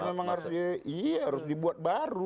memang harus dibuat baru